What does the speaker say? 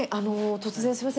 突然すいません。